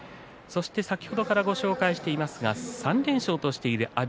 先ほどからご紹介していますが３連勝としている阿炎。